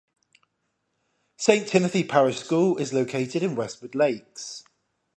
Saint Timothy Parish School is located in Westwood Lakes.